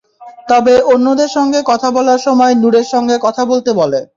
তবে অন্যদের সঙ্গে কথা বলার সময় নূরের সঙ্গে কথা বলতে বলে।